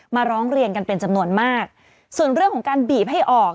ร้องเรียนกันเป็นจำนวนมากส่วนเรื่องของการบีบให้ออก